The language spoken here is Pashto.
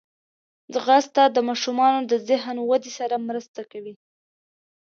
ځغاسته د ماشومانو د ذهن ودې سره مرسته کوي